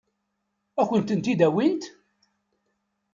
Ad kent-tent-id-awint?